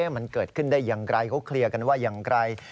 มันเกิดขึ้นได้อย่างไรเขาเคลียร์กันว่าอย่างไร